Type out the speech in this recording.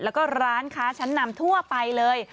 แล้วก็ร้านค้าชั้นนำทั่วไปเลย